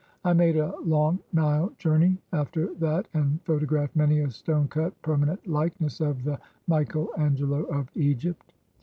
I made a long Nile journey after that and photo graphed many a stone cut "permanent likeness" of "the Michael Angelo of Egypt."